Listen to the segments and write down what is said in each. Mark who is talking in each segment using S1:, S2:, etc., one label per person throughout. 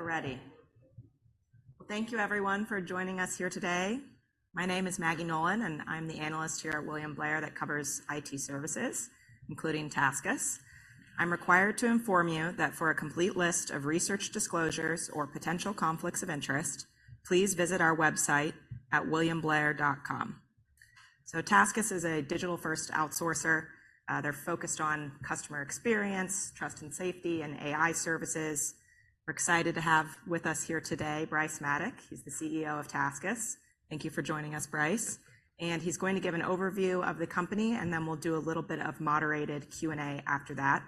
S1: I think we're ready. Well, thank you everyone for joining us here today. My name is Maggie Nolan, and I'm the analyst here at William Blair that covers IT services, including TaskUs. I'm required to inform you that for a complete list of research disclosures or potential conflicts of interest, please visit our website at williamblair.com. So TaskUs is a digital-first outsourcer. They're focused on customer experience, trust and safety, and AI services. We're excited to have with us here today, Bryce Maddock. He's the CEO of TaskUs. Thank you for joining us, Bryce, and he's going to give an overview of the company, and then we'll do a little bit of moderated Q&A after that.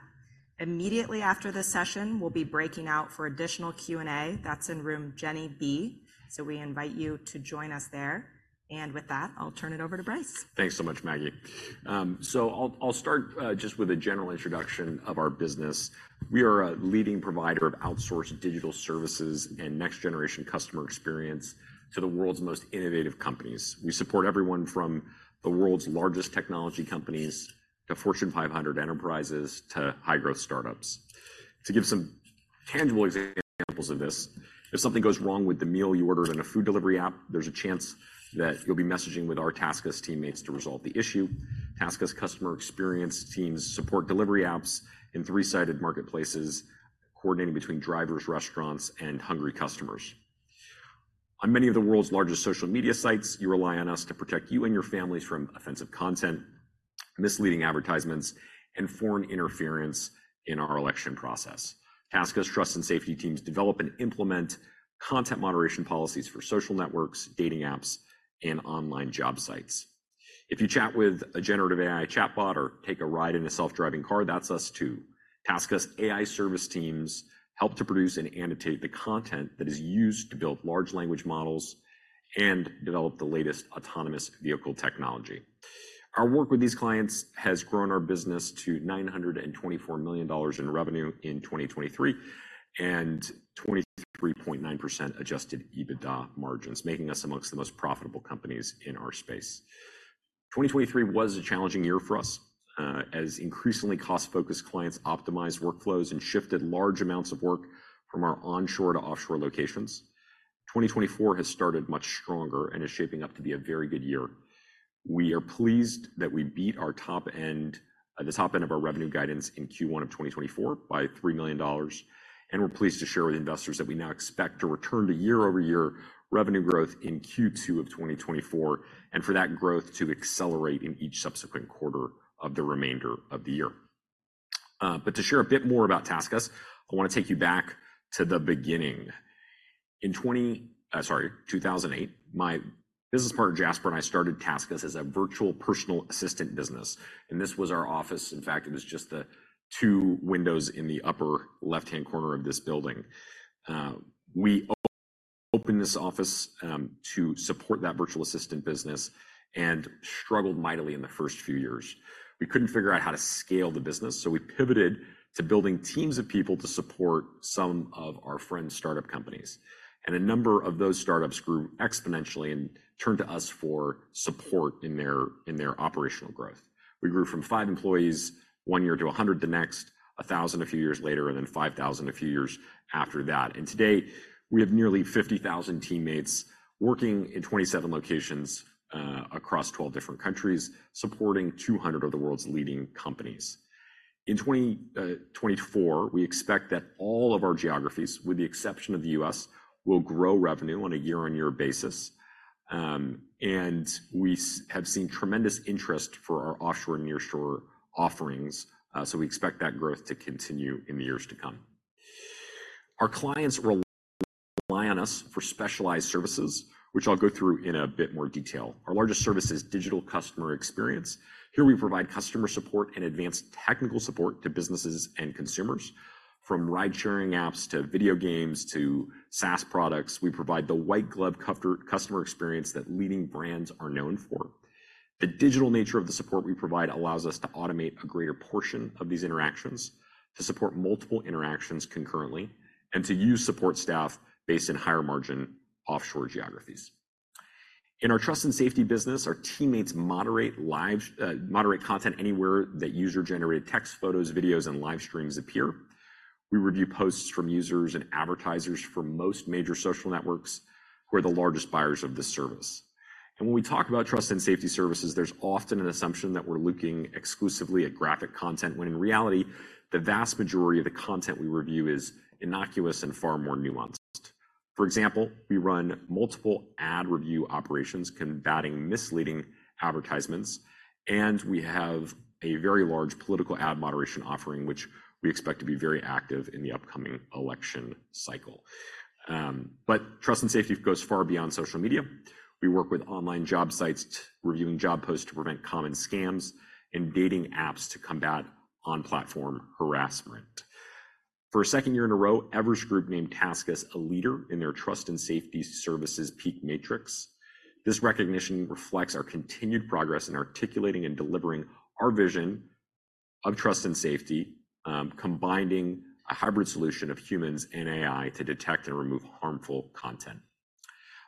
S1: Immediately after this session, we'll be breaking out for additional Q&A. That's in Room Jenny B, so we invite you to join us there, and with that, I'll turn it over to Bryce.
S2: Thanks so much, Maggie. I'll start just with a general introduction of our business. We are a leading provider of outsourced digital services and next-generation customer experience to the world's most innovative companies. We support everyone from the world's largest technology companies, to Fortune 500 enterprises, to high-growth startups. To give some tangible examples of this, if something goes wrong with the meal you ordered in a food delivery app, there's a chance that you'll be messaging with our TaskUs teammates to resolve the issue. TaskUs customer experience teams support delivery apps in three-sided marketplaces, coordinating between drivers, restaurants, and hungry customers. On many of the world's largest social media sites, you rely on us to protect you and your families from offensive content, misleading advertisements, and foreign interference in our election process. TaskUs Trust and Safety teams develop and implement content moderation policies for social networks, dating apps, and online job sites. If you chat with a Generative AI chatbot or take a ride in a self-driving car, that's us too. TaskUs AI Services teams help to produce and annotate the content that is used to build Large Language Models and develop the latest autonomous vehicle technology. Our work with these clients has grown our business to $924 million in revenue in 2023, and 23.9% adjusted EBITDA margins, making us amongst the most profitable companies in our space. 2023 was a challenging year for us, as increasingly cost-focused clients optimized workflows and shifted large amounts of work from our onshore to offshore locations. 2024 has started much stronger and is shaping up to be a very good year. We are pleased that we beat our top end, the top end of our revenue guidance in Q1 of 2024 by $3 million, and we're pleased to share with investors that we now expect to return to year-over-year revenue growth in Q2 of 2024, and for that growth to accelerate in each subsequent quarter of the remainder of the year. But to share a bit more about TaskUs, I want to take you back to the beginning. Sorry, in 2008, my business partner, Jaspar, and I started TaskUs as a virtual personal assistant business, and this was our office. In fact, it was just the 2 windows in the upper left-hand corner of this building. We opened this office to support that virtual assistant business and struggled mightily in the first few years. We couldn't figure out how to scale the business, so we pivoted to building teams of people to support some of our friends' startup companies. A number of those startups grew exponentially and turned to us for support in their, in their operational growth. We grew from 5 employees one year to 100 the next, 1,000 a few years later, and then 5,000 a few years after that. Today, we have nearly 50,000 teammates working in 27 locations across 12 different countries, supporting 200 of the world's leading companies. In 2024, we expect that all of our geographies, with the exception of the US, will grow revenue on a year-on-year basis. We have seen tremendous interest for our offshore and nearshore offerings, so we expect that growth to continue in the years to come. Our clients rely on us for specialized services, which I'll go through in a bit more detail. Our largest service is Digital Customer Experience. Here we provide customer support and advanced technical support to businesses and consumers. From ride-sharing apps to video games to SaaS products, we provide the white-glove customer experience that leading brands are known for. The digital nature of the support we provide allows us to automate a greater portion of these interactions, to support multiple interactions concurrently, and to use support staff based in higher-margin offshore geographies. In our Trust and Safety business, our teammates moderate live content anywhere that user-generated texts, photos, videos, and live streams appear. We review posts from users and advertisers for most major social networks, who are the largest buyers of this service. When we talk about trust and safety services, there's often an assumption that we're looking exclusively at graphic content, when in reality, the vast majority of the content we review is innocuous and far more nuanced. For example, we run multiple ad review operations, combating misleading advertisements, and we have a very large political ad moderation offering, which we expect to be very active in the upcoming election cycle. But trust and safety goes far beyond social media. We work with online job sites, reviewing job posts to prevent common scams, and dating apps to combat on-platform harassment. For a second year in a row, Everest Group named TaskUs a leader in their Trust and Safety Services PEAK Matrix. This recognition reflects our continued progress in articulating and delivering our vision of Trust and Safety, combining a hybrid solution of humans and AI to detect and remove harmful content.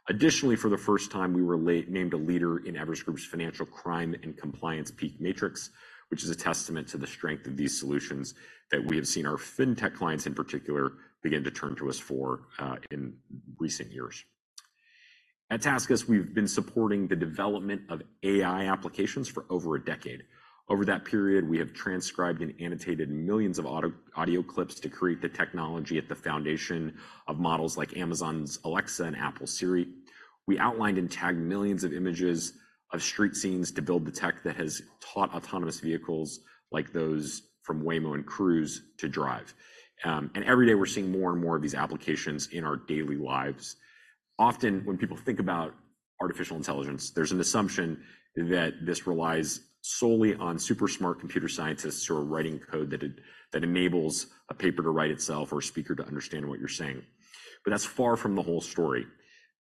S2: Additionally, for the first time, we were named a leader in Everest Group's Financial Crime and Compliance PEAK Matrix, which is a testament to the strength of these solutions that we have seen our fintech clients, in particular, begin to turn to us for in recent years. At TaskUs, we've been supporting the development of AI applications for over a decade. Over that period, we have transcribed and annotated millions of audio clips to create the technology at the foundation of models like Amazon's Alexa and Apple's Siri. We outlined and tagged millions of images of street scenes to build the tech that has taught autonomous vehicles, like those from Waymo and Cruise, to drive. Every day we're seeing more and more of these applications in our daily lives. Often, when people think about artificial intelligence, there's an assumption that this relies solely on super smart computer scientists who are writing code that enables a paper to write itself or a speaker to understand what you're saying. But that's far from the whole story.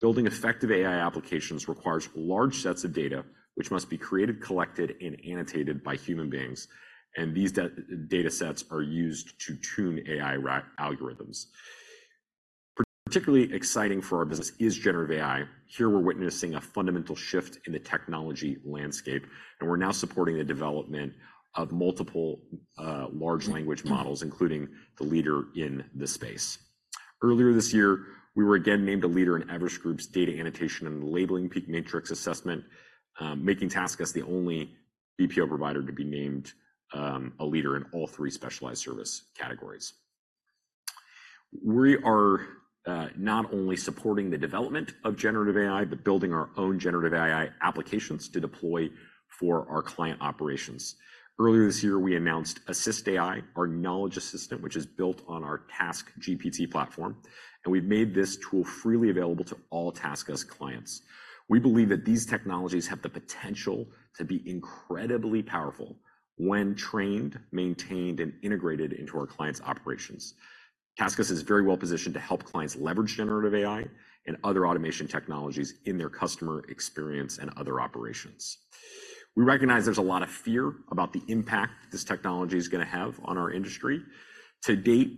S2: Building effective AI applications requires large sets of data, which must be created, collected, and annotated by human beings, and these data sets are used to tune AI algorithms. Particularly exciting for our business is generative AI. Here, we're witnessing a fundamental shift in the technology landscape, and we're now supporting the development of multiple, large language models, including the leader in this space. Earlier this year, we were again named a leader in Everest Group's Data Annotation and Labeling PEAK Matrix Assessment, making TaskUs the only BPO provider to be named a leader in all three specialized service categories. We are not only supporting the development of generative AI, but building our own generative AI applications to deploy for our client operations. Earlier this year, we announced AssistAI, our knowledge assistant, which is built on our TaskGPT platform, and we've made this tool freely available to all TaskUs clients. We believe that these technologies have the potential to be incredibly powerful when trained, maintained, and integrated into our clients' operations. TaskUs is very well positioned to help clients leverage generative AI and other automation technologies in their customer experience and other operations. We recognize there's a lot of fear about the impact this technology is gonna have on our industry. To date,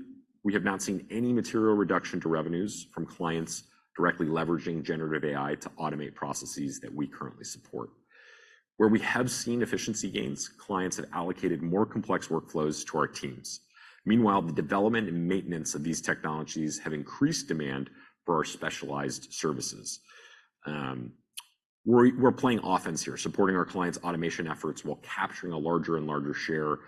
S2: we have not seen any material reduction to revenues from clients directly leveraging Generative AI to automate processes that we currently support. Where we have seen efficiency gains, clients have allocated more complex workflows to our teams. Meanwhile, the development and maintenance of these technologies have increased demand for our specialized services. We're playing offense here, supporting our clients' automation efforts while capturing a larger and larger share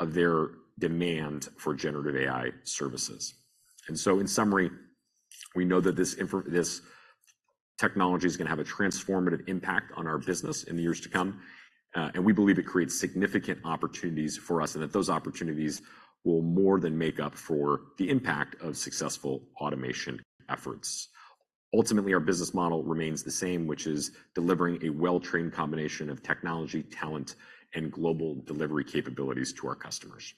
S2: of their demand for Generative AI services. And so, in summary, we know that this technology is gonna have a transformative impact on our business in the years to come, and we believe it creates significant opportunities for us, and that those opportunities will more than make up for the impact of successful automation efforts. Ultimately, our business model remains the same, which is delivering a well-trained combination of technology, talent, and global delivery capabilities to our customers.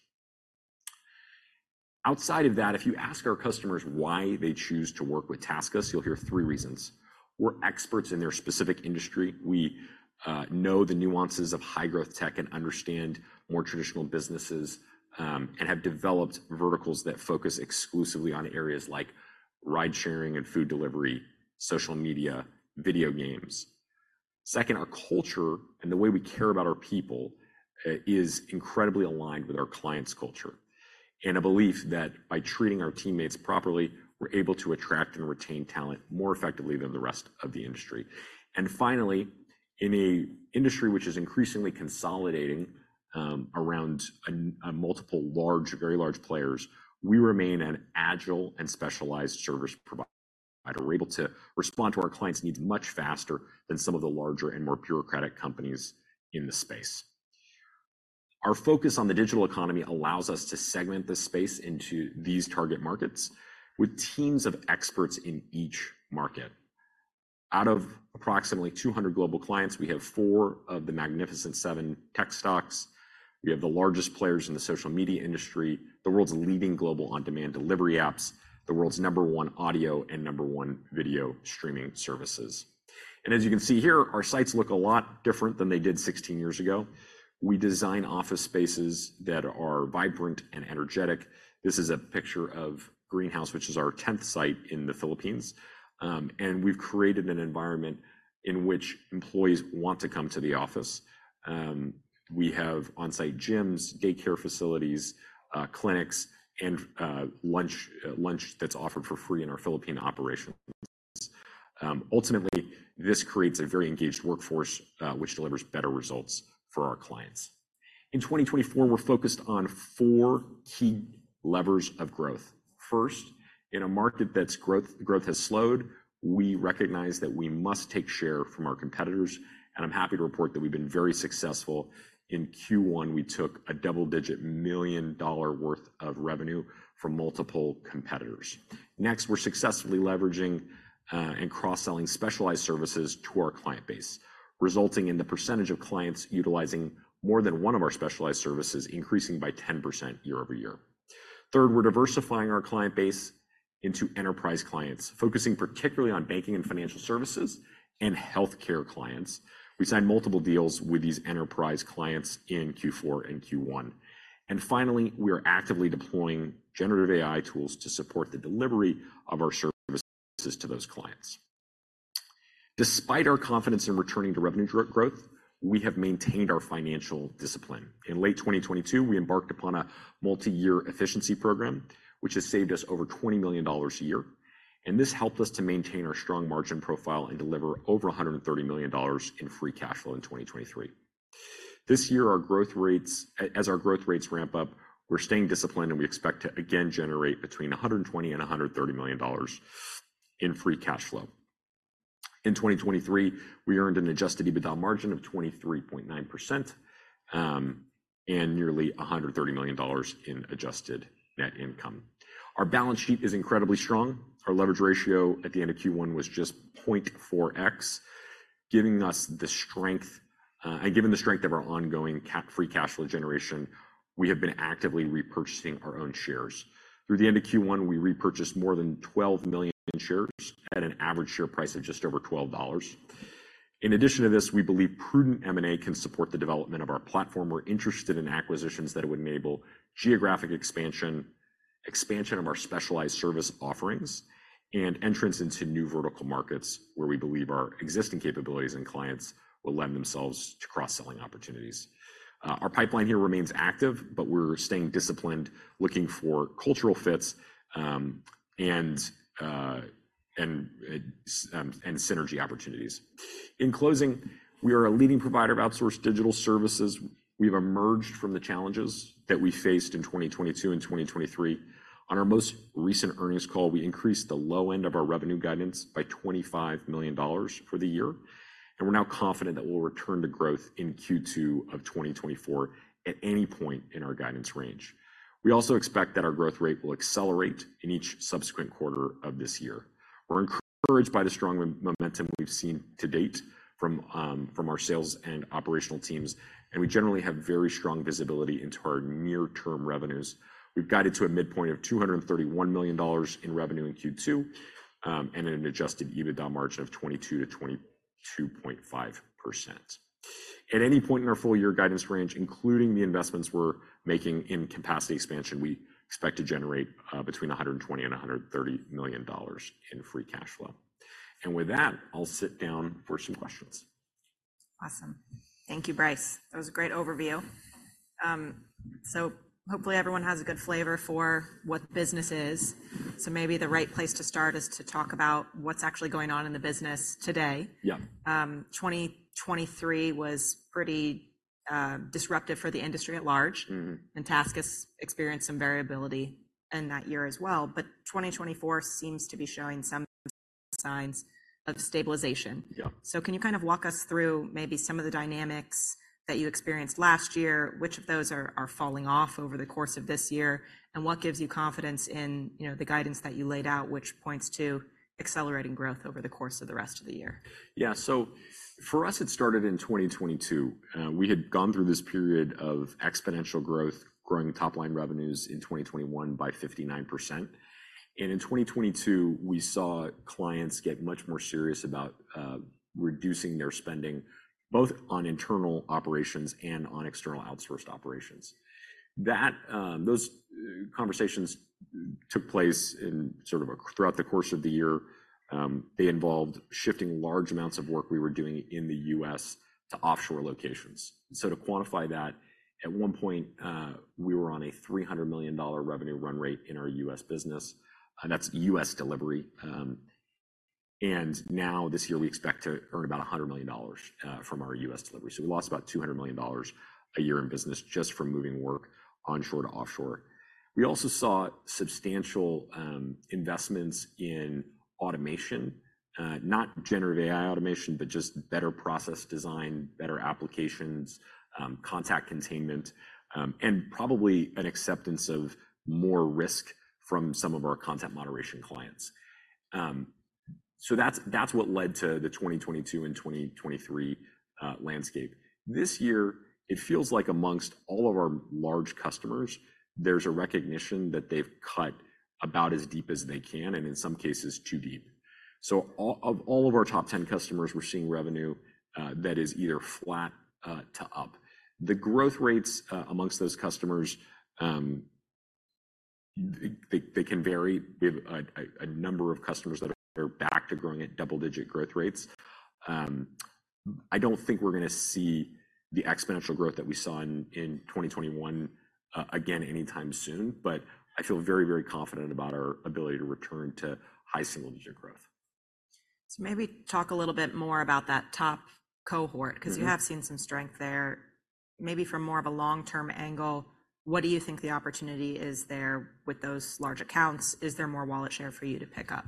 S2: Outside of that, if you ask our customers why they choose to work with TaskUs, you'll hear three reasons: We're experts in their specific industry. We know the nuances of high-growth tech and understand more traditional businesses, and have developed verticals that focus exclusively on areas like ride-sharing and food delivery, social media, video games. Second, our culture and the way we care about our people is incredibly aligned with our clients' culture and a belief that by treating our teammates properly, we're able to attract and retain talent more effectively than the rest of the industry. And finally, in an industry which is increasingly consolidating around a multiple large, very large players, we remain an agile and specialized service provider. We're able to respond to our clients' needs much faster than some of the larger and more bureaucratic companies in the space. Our focus on the digital economy allows us to segment the space into these target markets with teams of experts in each market. Out of approximately 200 global clients, we have four of the Magnificent Seven tech stocks. We have the largest players in the social media industry, the world's leading global on-demand delivery apps, the world's number one audio and number one video streaming services. As you can see here, our sites look a lot different than they did 16 years ago. We design office spaces that are vibrant and energetic. This is a picture of Greenhouse, which is our 10th site in the Philippines. We've created an environment in which employees want to come to the office. We have on-site gyms, daycare facilities, clinics, and lunch that's offered for free in our Philippine operations. Ultimately, this creates a very engaged workforce, which delivers better results for our clients. In 2024, we're focused on four key levers of growth. First, in a market that's growth has slowed, we recognize that we must take share from our competitors, and I'm happy to report that we've been very successful. In Q1, we took a double-digit million dollars worth of revenue from multiple competitors. Next, we're successfully leveraging and cross-selling specialized services to our client base, resulting in the percentage of clients utilizing more than one of our specialized services, increasing by 10% year-over-year. Third, we're diversifying our client base into enterprise clients, focusing particularly on banking and financial services and healthcare clients. We signed multiple deals with these enterprise clients in Q4 and Q1. And finally, we are actively deploying generative AI tools to support the delivery of our services to those clients. Despite our confidence in returning to revenue growth, we have maintained our financial discipline. In late 2022, we embarked upon a multi-year efficiency program, which has saved us over $20 million a year, and this helped us to maintain our strong margin profile and deliver over $130 million in free cash flow in 2023. This year, as our growth rates ramp up, we're staying disciplined, and we expect to again generate between $120 million and $130 million in free cash flow. In 2023, we earned an Adjusted EBITDA margin of 23.9%, and nearly $130 million in adjusted net income. Our balance sheet is incredibly strong. Our leverage ratio at the end of Q1 was just 0.4x, giving us the strength, and given the strength of our ongoing free cash flow generation, we have been actively repurchasing our own shares. Through the end of Q1, we repurchased more than 12 million shares at an average share price of just over $12. In addition to this, we believe prudent M&A can support the development of our platform. We're interested in acquisitions that would enable geographic expansion, expansion of our specialized service offerings, and entrance into new vertical markets where we believe our existing capabilities and clients will lend themselves to cross-selling opportunities. Our pipeline here remains active, but we're staying disciplined, looking for cultural fits, and synergy opportunities. In closing, we are a leading provider of outsourced digital services. We've emerged from the challenges that we faced in 2022 and 2023. On our most recent earnings call, we increased the low end of our revenue guidance by $25 million for the year, and we're now confident that we'll return to growth in Q2 of 2024 at any point in our guidance range. We also expect that our growth rate will accelerate in each subsequent quarter of this year. We're encouraged by the strong momentum we've seen to date from our sales and operational teams, and we generally have very strong visibility into our near-term revenues. We've guided to a midpoint of $231 million in revenue in Q2, and an Adjusted EBITDA margin of 22%-22.5%. At any point in our full-year guidance range, including the investments we're making in capacity expansion, we expect to generate between $120 million and $130 million in free cash flow. With that, I'll sit down for some questions.
S1: Awesome. Thank you, Bryce. That was a great overview. So hopefully everyone has a good flavor for what the business is. So maybe the right place to start is to talk about what's actually going on in the business today.
S2: Yeah.
S1: 2023 was pretty, disruptive for the industry at large-
S2: Mm-hmm.
S1: TaskUs experienced some variability in that year as well, but 2024 seems to be showing some signs of stabilization.
S2: Yeah.
S1: Can you kind of walk us through maybe some of the dynamics that you experienced last year? Which of those are falling off over the course of this year, and what gives you confidence in, you know, the guidance that you laid out, which points to accelerating growth over the course of the rest of the year?
S2: Yeah. So for us, it started in 2022. We had gone through this period of exponential growth, growing top-line revenues in 2021 by 59%. And in 2022, we saw clients get much more serious about reducing their spending, both on internal operations and on external outsourced operations. Those conversations took place in sort of throughout the course of the year. They involved shifting large amounts of work we were doing in the U.S. to offshore locations. So to quantify that, at one point, we were on a $300 million revenue run rate in our U.S. business, and that's U.S. delivery. And now this year, we expect to earn about $100 million from our U.S. delivery. So we lost about $200 million a year in business just from moving work onshore to offshore. We also saw substantial investments in automation, not Generative AI automation, but just better process design, better applications, contact containment, and probably an acceptance of more risk from some of our content moderation clients. So that's what led to the 2022 and 2023 landscape. This year, it feels like among all of our large customers, there's a recognition that they've cut about as deep as they can, and in some cases, too deep. So all of our top 10 customers, we're seeing revenue that is either flat to up. The growth rates among those customers, they can vary. We have a number of customers that are back to growing at double-digit growth rates. I don't think we're gonna see the exponential growth that we saw in 2021 again anytime soon, but I feel very, very confident about our ability to return to high single-digit growth.
S1: So maybe talk a little bit more about that top cohort.
S2: Mm-hmm.
S1: because you have seen some strength there. Maybe from more of a long-term angle, what do you think the opportunity is there with those large accounts? Is there more wallet share for you to pick up?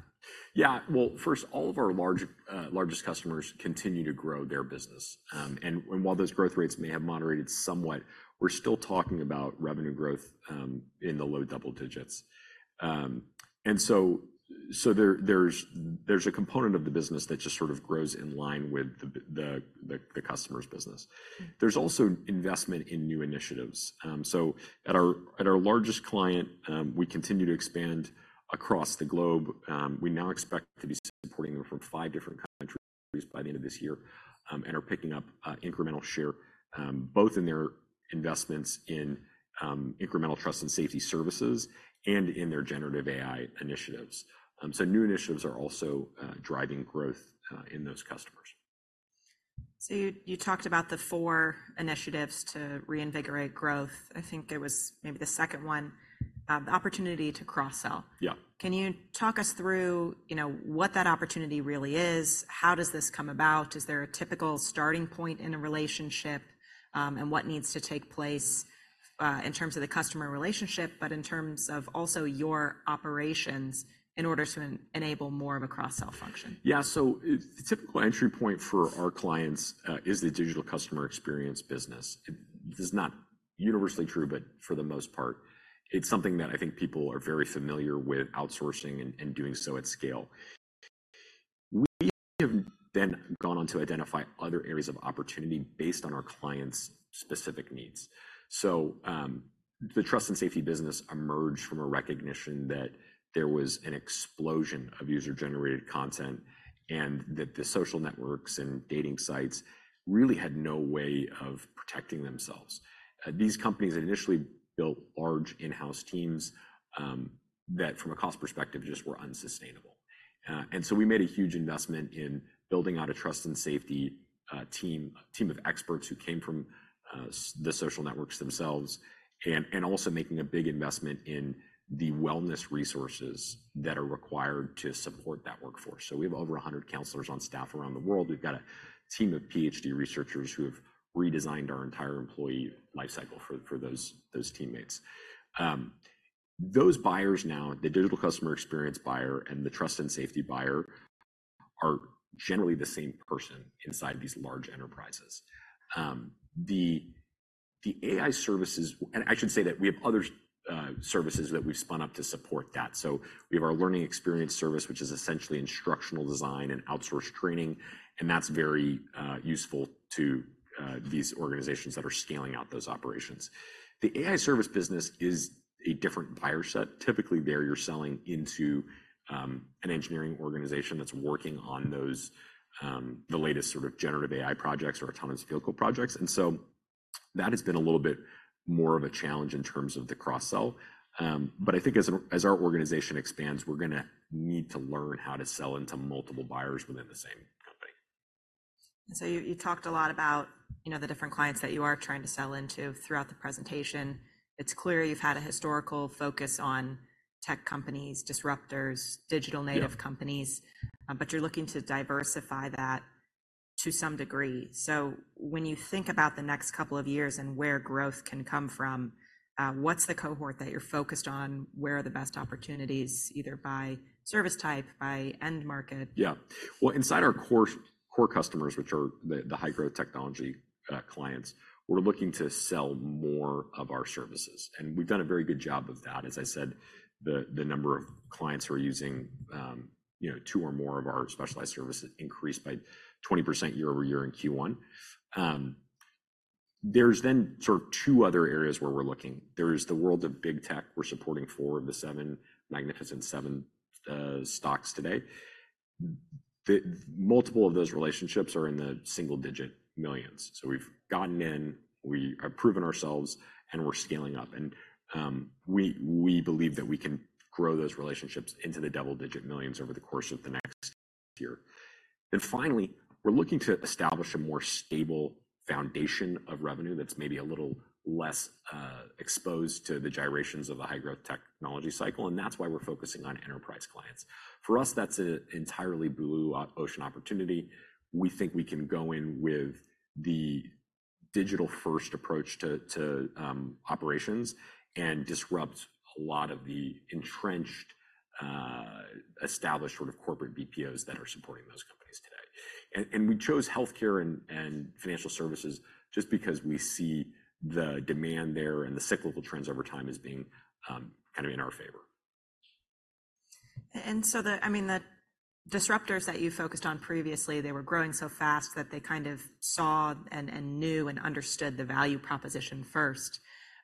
S2: Yeah. Well, first, all of our largest customers continue to grow their business. And while those growth rates may have moderated somewhat, we're still talking about revenue growth in the low double digits. And so there is a component of the business that just sort of grows in line with the customer's business. There's also investment in new initiatives. So at our largest client, we continue to expand across the globe. We now expect to be supporting them from five different countries by the end of this year, and are picking up incremental share both in their investments in incremental Trust and Safety services and in their Generative AI initiatives. So new initiatives are also driving growth in those customers.
S1: So you talked about the four initiatives to reinvigorate growth. I think it was maybe the second one, the opportunity to cross-sell.
S2: Yeah.
S1: Can you talk us through, you know, what that opportunity really is? How does this come about? Is there a typical starting point in a relationship, and what needs to take place, in terms of the customer relationship, but in terms of also your operations in order to enable more of a cross-sell function?
S2: Yeah. So the typical entry point for our clients is the Digital Customer Experience business. This is not universally true, but for the most part, it's something that I think people are very familiar with outsourcing and, and doing so at scale. We have then gone on to identify other areas of opportunity based on our clients' specific needs. So, the Trust and Safety business emerged from a recognition that there was an explosion of user-generated content, and that the social networks and dating sites really had no way of protecting themselves. These companies initially built large in-house teams that from a cost perspective, just were unsustainable. So we made a huge investment in building out a Trust and Safety team, a team of experts who came from the social networks themselves, and also making a big investment in the wellness resources that are required to support that workforce. We have over 100 counselors on staff around the world. We've got a team of PhD researchers who have redesigned our entire employee life cycle for those teammates. Those buyers now, the Digital Customer Experience buyer and the Trust and Safety buyer, are generally the same person inside these large enterprises. The AI Services, and I should say that we have other services that we've spun up to support that. So we have our learning experience service, which is essentially instructional design and outsourced training, and that's very useful to these organizations that are scaling out those operations. The AI service business is a different buyer set. Typically, there you're selling into an engineering organization that's working on those the latest sort of generative AI projects or autonomous vehicle projects. And so that has been a little bit more of a challenge in terms of the cross-sell. But I think as our organization expands, we're gonna need to learn how to sell into multiple buyers within the same company.
S1: So you talked a lot about, you know, the different clients that you are trying to sell into throughout the presentation. It's clear you've had a historical focus on tech companies, disruptors, digital native-
S2: Yeah...
S1: companies, but you're looking to diversify that to some degree. So when you think about the next couple of years and where growth can come from, what's the cohort that you're focused on? Where are the best opportunities, either by service type, by end market?
S2: Yeah. Well, inside our core, core customers, which are the, the high-growth technology clients, we're looking to sell more of our services, and we've done a very good job of that. As I said, the, the number of clients who are using, you know, two or more of our specialized services increased by 20% year-over-year in Q1. There's then sort of two other areas where we're looking. There's the world of big tech. We're supporting four of the seven Magnificent Seven stocks today. The multiple of those relationships are in the single-digit millions. So we've gotten in, we have proven ourselves, and we're scaling up. And, we, we believe that we can grow those relationships into the double-digit millions over the course of the next year. Then finally, we're looking to establish a more stable foundation of revenue that's maybe a little less exposed to the gyrations of a high-growth technology cycle, and that's why we're focusing on enterprise clients. For us, that's an entirely blue ocean opportunity. We think we can go in with the digital-first approach to operations and disrupt a lot of the entrenched established sort of corporate BPOs that are supporting those companies today. And we chose healthcare and financial services just because we see the demand there and the cyclical trends over time as being kind of in our favor.
S1: And so, I mean, the disruptors that you focused on previously, they were growing so fast that they kind of saw and knew and understood the value proposition first.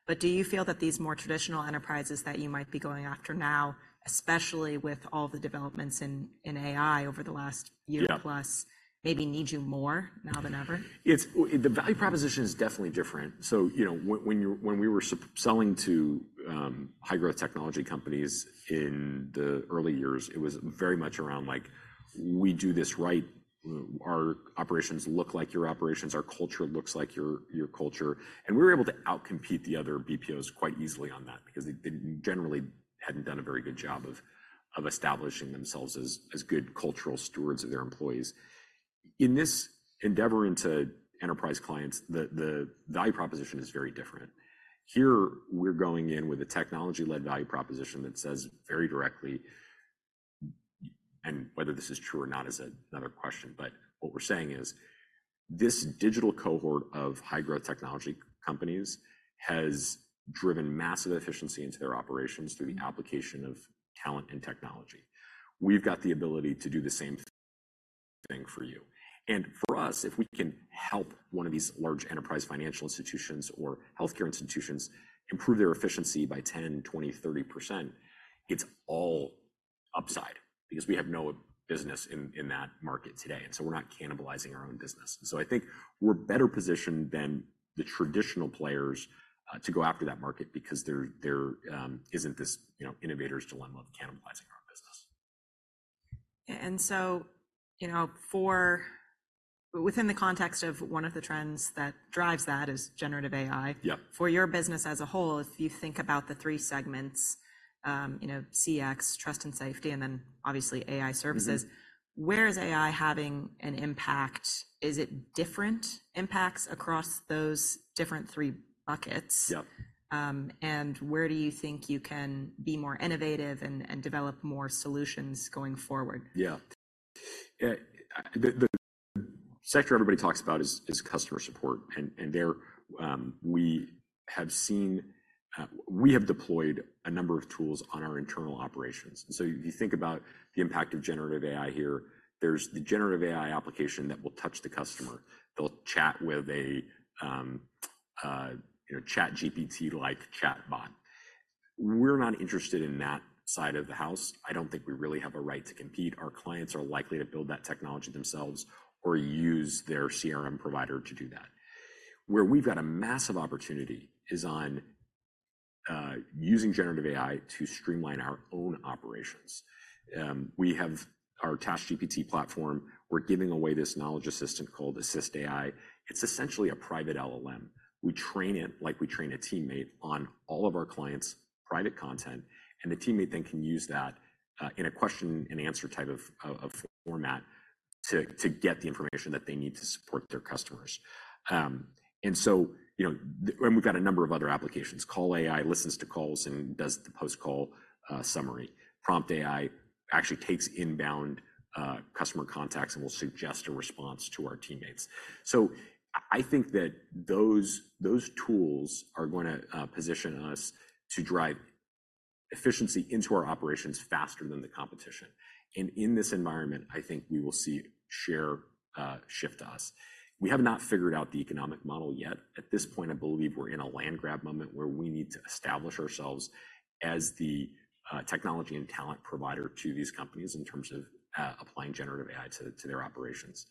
S1: But do you feel that these more traditional enterprises that you might be going after now, especially with all the developments in AI over the last year-
S2: Yeah...
S1: plus, maybe need you more now than ever?
S2: It's the value proposition is definitely different. So, you know, when we were selling to high-growth technology companies in the early years, it was very much around like, we do this right, our operations look like your operations, our culture looks like your, your culture. And we were able to outcompete the other BPOs quite easily on that because they generally hadn't done a very good job of establishing themselves as good cultural stewards of their employees. In this endeavor into enterprise clients, the value proposition is very different. Here, we're going in with a technology-led value proposition that says very directly, and whether this is true or not is another question, but what we're saying is: this digital cohort of high-growth technology companies has driven massive efficiency into their operations through the application of talent and technology. We've got the ability to do the same thing for you. For us, if we can help one of these large enterprise financial institutions or healthcare institutions improve their efficiency by 10%, 20%, 30%, it's all upside because we have no business in that market today, and so we're not cannibalizing our own business. I think we're better positioned than the traditional players to go after that market because there isn't this, you know, innovator's dilemma of cannibalizing our own business....
S1: And so, you know, for within the context of one of the trends that drives that is Generative AI-
S2: Yeah.
S1: -for your business as a whole, if you think about the three segments, you know, CX, Trust and Safety, and then obviously AI Services-
S2: Mm-hmm.
S1: Where is AI having an impact? Is it different impacts across those different three buckets?
S2: Yep.
S1: Where do you think you can be more innovative and develop more solutions going forward?
S2: Yeah. The sector everybody talks about is customer support, and there we have seen we have deployed a number of tools on our internal operations. So if you think about the impact of generative AI here, there's the generative AI application that will touch the customer. They'll chat with a you know, ChatGPT-like chatbot. We're not interested in that side of the house. I don't think we really have a right to compete. Our clients are likely to build that technology themselves or use their CRM provider to do that. Where we've got a massive opportunity is on using generative AI to streamline our own operations. We have our TaskGPT platform. We're giving away this knowledge assistant called Assist AI. It's essentially a private LLM. We train it like we train a teammate on all of our clients' private content, and the teammate then can use that in a question-and-answer type of format to get the information that they need to support their customers. So, you know, we've got a number of other applications. CallAI listens to calls and does the post-call summary. PromptAI actually takes inbound customer contacts and will suggest a response to our teammates. So I think that those tools are gonna position us to drive efficiency into our operations faster than the competition. In this environment, I think we will see share shift to us. We have not figured out the economic model yet. At this point, I believe we're in a land grab moment where we need to establish ourselves as the technology and talent provider to these companies in terms of applying generative AI to their operations.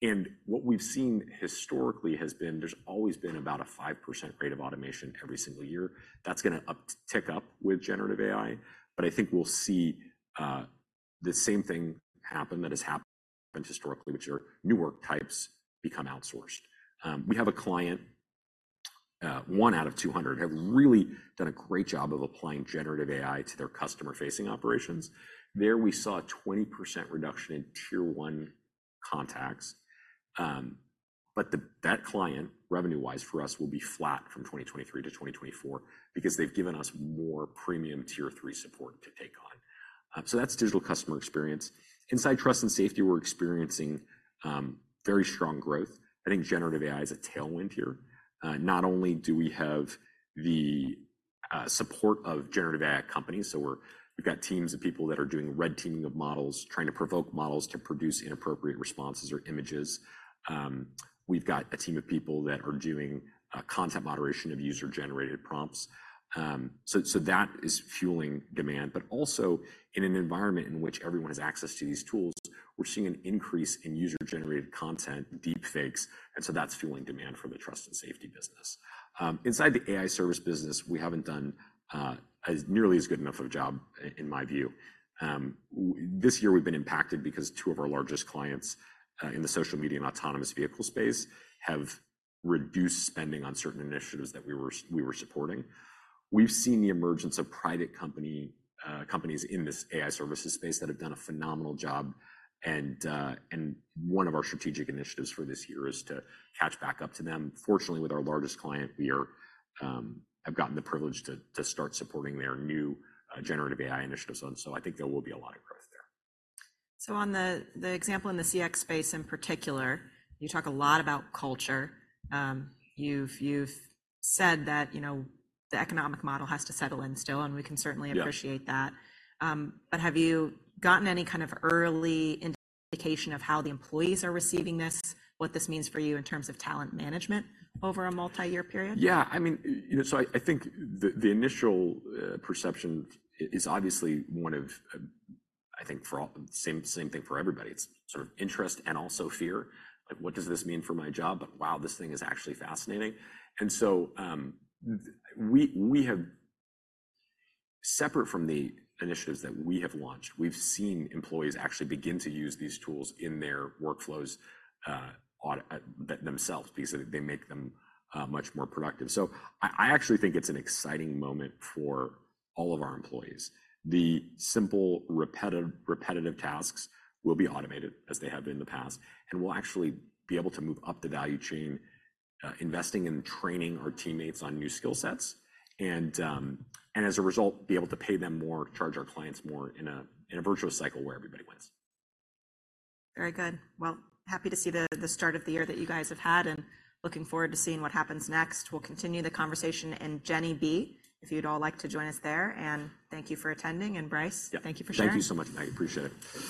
S2: And what we've seen historically has been, there's always been about a 5% rate of automation every single year. That's gonna uptick with generative AI, but I think we'll see the same thing happen that has happened historically, which are new work types become outsourced. We have a client, 1 out of 200, have really done a great job of applying generative AI to their customer-facing operations. We saw a 20% reduction in Tier 1 contacts. But that client, revenue-wise for us, will be flat from 2023 to 2024 because they've given us more premium Tier 3 support to take on. So that's Digital Customer Experience. Inside Trust and Safety, we're experiencing very strong growth. I think Generative AI is a tailwind here. Not only do we have the support of Generative AI companies, so we've got teams of people that are doing red teaming of models, trying to provoke models to produce inappropriate responses or images. We've got a team of people that are doing content moderation of user-generated prompts. So that is fueling demand, but also in an environment in which everyone has access to these tools, we're seeing an increase in user-generated content, deepfakes, and so that's fueling demand for the Trust and Safety business. Inside the AI service business, we haven't done as nearly as good enough of a job in my view. This year, we've been impacted because two of our largest clients in the social media and autonomous vehicle space have reduced spending on certain initiatives that we were supporting. We've seen the emergence of private companies in this AI services space that have done a phenomenal job, and one of our strategic initiatives for this year is to catch back up to them. Fortunately, with our largest client, we have gotten the privilege to start supporting their new generative AI initiatives, and so I think there will be a lot of growth there.
S1: So on the example in the CX space in particular, you talk a lot about culture. You've said that, you know, the economic model has to settle in still, and we can certainly-
S2: Yeah...
S1: appreciate that. But have you gotten any kind of early indication of how the employees are receiving this, what this means for you in terms of talent management over a multi-year period?
S2: Yeah, I mean, you know, so I think the initial perception is obviously one of, I think, the same thing for everybody. It's sort of interest and also fear. Like, what does this mean for my job? But wow, this thing is actually fascinating. And so, we have, separate from the initiatives that we have launched, we've seen employees actually begin to use these tools in their workflows themselves because they make them much more productive. So I actually think it's an exciting moment for all of our employees. The simple, repetitive tasks will be automated, as they have been in the past, and we'll actually be able to move up the value chain, investing and training our teammates on new skill sets, and as a result, be able to pay them more, charge our clients more in a virtuous cycle where everybody wins.
S1: Very good. Well, happy to see the start of the year that you guys have had, and looking forward to seeing what happens next. We'll continue the conversation in Jenny B, if you'd all like to join us there. Thank you for attending, and Bryce-
S2: Yeah.
S1: Thank you for sharing.
S2: Thank you so much. I appreciate it.